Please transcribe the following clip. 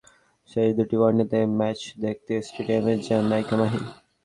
বাংলাদেশ-ভারত cricket সিরিজের শেষ দুুটি one day match দেখতে স্টেডিয়ামে যান নায়িকা মাহি।